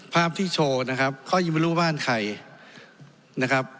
ภาพที่โชว์นะครับเขายังไม่รู้บ้านใครนะครับ